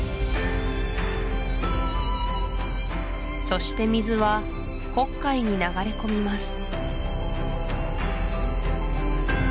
そして水は黒海に流れ込みます